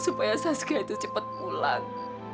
supaya saskia itu cepat pulang